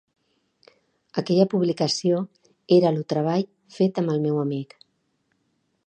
Aquella publicació era lo treball fet amb el meu amic